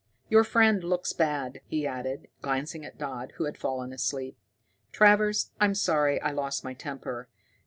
"Your friend looks bad," he added, glancing at Dodd, who had fallen asleep. "Travers, I'm sorry I lost my temper.